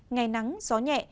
ngày nắng gió nhẹ